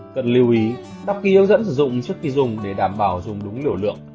cần lưu ý đăng ký hướng dẫn sử dụng trước khi dùng để đảm bảo dùng đúng liều lượng